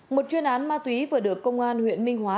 một chuyên án ma túy vừa được công an huyện minh hóa